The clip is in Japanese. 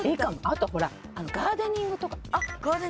あとほらガーデニングとか。